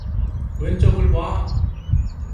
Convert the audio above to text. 왼쪽을 봐.